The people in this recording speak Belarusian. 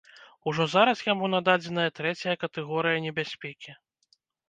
Ужо зараз яму нададзеная трэцяя катэгорыя небяспекі.